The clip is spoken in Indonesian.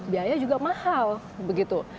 biaya juga mahal begitu